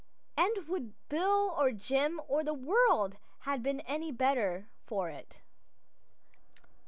And would Bill or Jim or the world have been any better for it?